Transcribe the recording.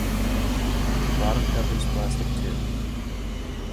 The bottom cover is plastic too.